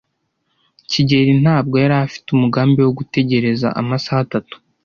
kigeli ntabwo yari afite umugambi wo gutegereza amasaha atatu.